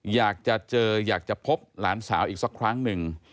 อยากจะเจออยากจะพบหลานสาวอีกสักครั้งหนึ่ง